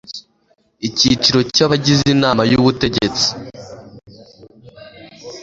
icyiciro cya abagize inama y ubutegetsi